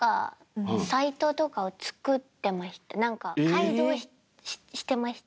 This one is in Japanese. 改造してました。